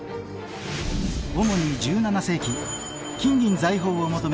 おもに１７世紀金銀財宝を求め